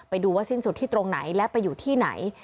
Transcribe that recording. ไปดูว่าสิ้นสุดที่ตรงไหนและไปอยู่ที่ไหน